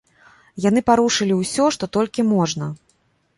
Яны парушылі ўсё, што толькі можна.